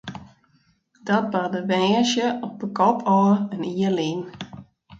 Dat barde woansdei op 'e kop ôf in jier lyn.